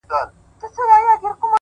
د مسجد لوري. د مندر او کلیسا لوري.